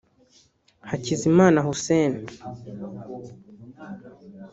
Hakizimana Hussein